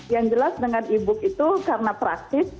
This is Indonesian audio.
yang jelas dengan e book itu karena praktis